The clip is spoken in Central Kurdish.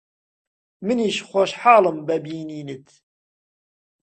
منیش خۆشحاڵم بە بینینت.